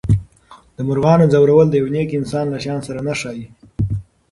د مرغانو ځورول د یو نېک انسان له شان سره نه ښایي.